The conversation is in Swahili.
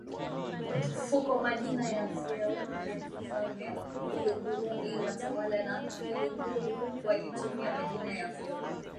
FukoMajina ya vyeo vya Kifalme Uluguruni Watawala wa Kiluguru walitumia majina ya vyeo